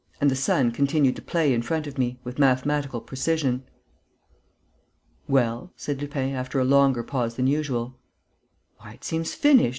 And the sun continued to play in front of me, with mathematical precision. "Well?" said Lupin, after a longer pause than usual. "Why, it seems finished....